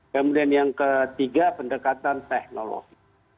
kemudian yang ketiga pendekatan teknologi